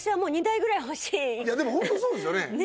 いやでもホントそうですよね。